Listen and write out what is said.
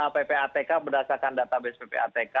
ppatk berdasarkan database ppatk